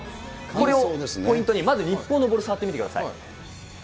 これをポイントにまず日本のボール、触ってみてください。